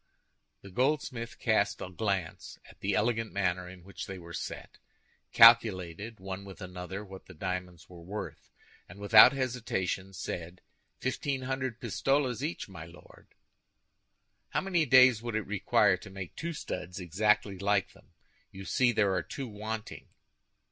The goldsmith cast a glance at the elegant manner in which they were set, calculated, one with another, what the diamonds were worth, and without hesitation said, "Fifteen hundred pistoles each, my Lord." "How many days would it require to make two studs exactly like them? You see there are two wanting."